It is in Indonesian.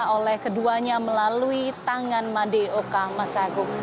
oleh keduanya melalui tangan madeo kamasagung